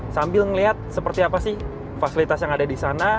sambil melihat seperti apa sih fasilitas yang ada di sana